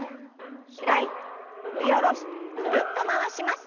開いて振り下ろしてぐるっと回します。